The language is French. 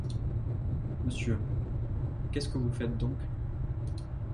Monsieur, qu'est-ce que vous faites donc ?